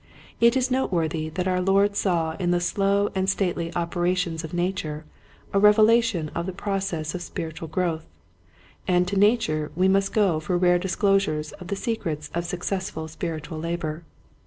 It is noteworthy that our Lord saw in the slow and stately operations of Nature a revelation of the processes of spiritual growth, and to Nature we must go for rare disclosures of the secrets of successful spiritual labor.